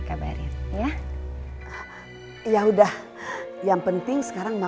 kabar ya ya udah yang penting sekarang